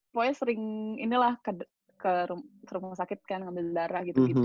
pokoknya sering inilah ke rumah sakit kan ngambil darah gitu gitu